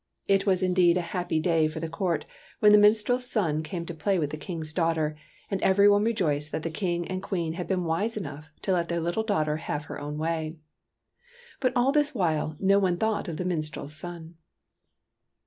It was indeed a happy day TEARS OF PRINCESS PRUNELLA 113 for the court when the minstrel's son came to play with the King's daughter, and every one rejoiced that the King and the Queen had been wise enough to let their little daughter have her own way. But all this while no one thought of the minstrel's son.